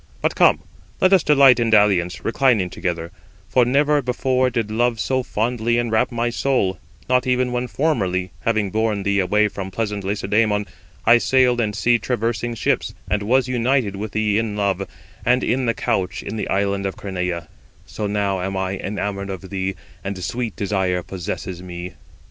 But come, let us delight in dalliance, reclining together, for never before did love so fondly enwrap my soul, not even when formerly, having borne thee away from pleasant Lacedæmon, I sailed in the sea traversing ships, and was united with thee in love and in the couch in the island Cranaë; so now am I enamoured of thee, and sweet desire possesses me."